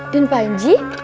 dan pak enji